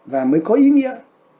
và mới có ý nghĩa